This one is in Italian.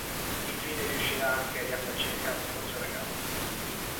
Infine riuscirà anche a riappacificarsi col suo ragazzo.